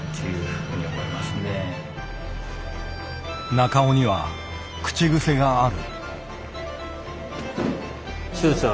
中尾には口癖がある。